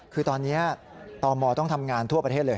คือตอนนี้ตมต้องทำงานทั่วประเทศเลย